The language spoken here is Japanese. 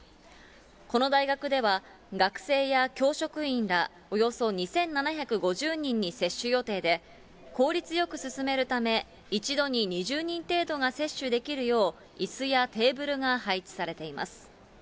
この大学では、学生や、教職員らおよそ２７５０人に接種予定で、効率よく進めるため、一度に２０人程度が接種できるよういすやテーブルが配置されています。